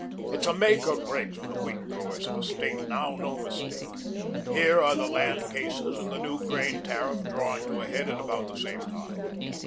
It's a make or break for the wheat growers of the State now, no mistake. Here are the land cases and the new grain tariff drawing to a head at about the same time.